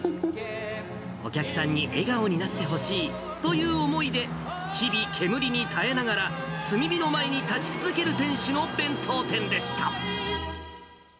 お客さんに笑顔になってほしいという思いで、日々、煙に耐えながら、炭火の前に立ち続ける店主の弁当店でした。